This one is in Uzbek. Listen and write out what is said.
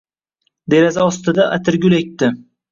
Deraza ostida atirgul ekdi.